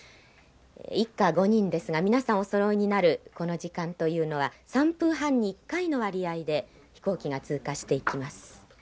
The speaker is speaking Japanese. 一家５人ですが皆さんおそろいになるこの時間というのは３分半に１回の割合で飛行機が通過していきます。